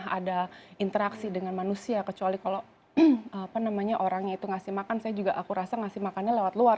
ada interaksi dengan manusia kecuali kalau orangnya itu ngasih makan saya juga aku rasa ngasih makannya lewat luar